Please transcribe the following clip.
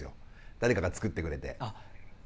誰かが作ってくれて。